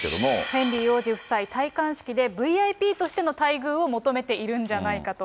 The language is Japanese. ヘンリー王子夫妻、戴冠式でＶＩＰとしての待遇を求めているんじゃないかと。